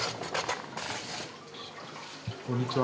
こんにちは。